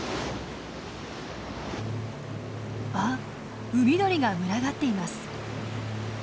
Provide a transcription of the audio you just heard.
あっ海鳥が群がっています。